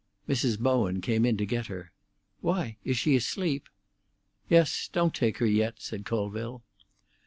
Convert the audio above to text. Mrs. Bowen came in to get her. "Why, is she asleep?" "Yes. Don't take her yet," said Colville.